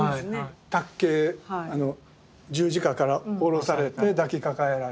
磔刑十字架から下ろされて抱き抱えられる。